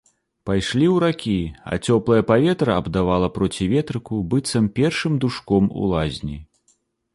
Пайшлі ў ракі, а цёплае паветра абдавала проці ветрыку, быццам першым душком у лазні.